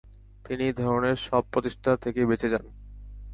তিনি এই ধরনের সব প্রচেষ্টা থেকে বেঁচে যান।